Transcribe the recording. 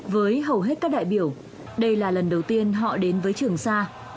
với hầu hết các đại biểu đây là lần đầu tiên họ đến với trường sa